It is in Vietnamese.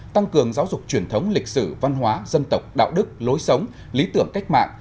tăng cường giáo dục truyền thống lịch sử văn hóa dân tộc đạo đức lối sống lý tưởng cách mạng